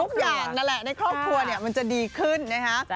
นั่นแหละในครอบครัวเนี่ยมันจะดีขึ้นนะฮะ